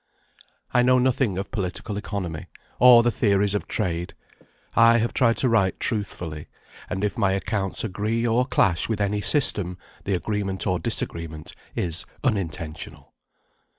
I know nothing of Political Economy, or the theories of trade. I have tried to write truthfully; and if my accounts agree or clash with any system, the agreement or disagreement is unintentional.